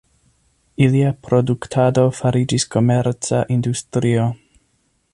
Ilia produktado fariĝis komerca industrio.